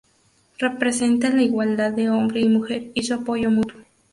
Representa la igualdad de hombre y mujer y su apoyo mutuo.